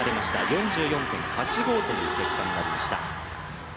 ４４．８５という結果になりました。